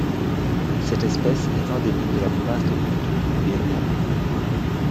Cette espèce est endémique de la province de Kon Tum au Viêt Nam.